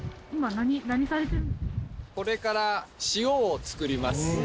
これから塩を作ります。